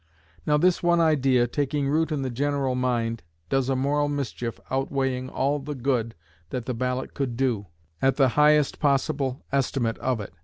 Now this one idea, taking root in the general mind, does a moral mischief outweighing all the good that the ballot could do, at the highest possible estimate of it.